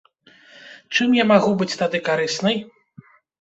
Чым я магу быць тады карыснай?